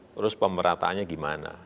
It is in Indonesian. terus pemerataannya gimana